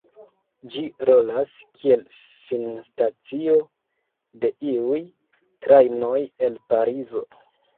Ĝi rolas kiel finstacio de iuj trajnoj el Parizo.